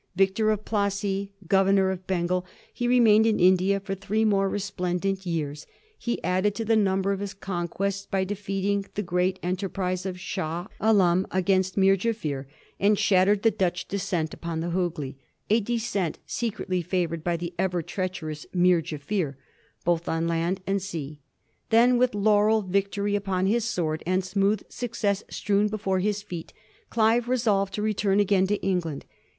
Victor of Plassey, Governor of Bengal, he remained in India for three more resplendent years ; he added to the number of his conquests by defeating the great enterprise of Shah Alum against Meer Jaffier, and shattered the Dutch descent upon the Hoogly — a descent secretly fa vored by the ever treacherous Meer Jaffier — ^both on land and sea. Then, with laurel victory upon his sword, and smooth success strewn before his feet, Clive resolved to return again to England.